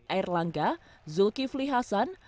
air langga zulkifli hasan